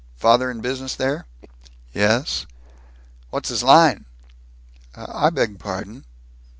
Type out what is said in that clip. Father in business there?" "Yes." "What's his line?" "I beg pardon?"